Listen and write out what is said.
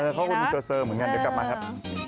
เขาก็เป็นเตอร์เซอร์เหมือนกันเดี๋ยวกลับมาครับ